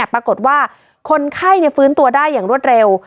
ปรากฏว่าคนไข้ฟื้นตัวได้อย่างรวดเร็ว